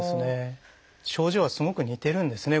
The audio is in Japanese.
症状はすごく似てるんですね